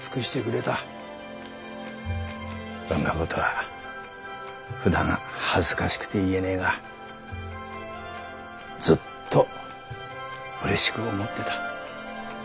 そんなことはふだん恥ずかしくて言えねぇがずっとうれしく思ってた。